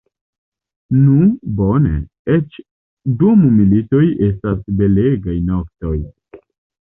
Nu, bone, eĉ dum militoj estas belegaj noktoj.